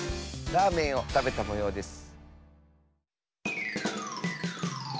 ラーメンをたべたもようです。